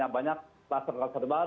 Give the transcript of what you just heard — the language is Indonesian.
banyak yang serba serba